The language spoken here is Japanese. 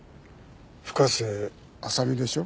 深瀬麻未でしょ？